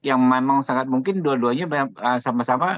yang memang sangat mungkin dua duanya sama sama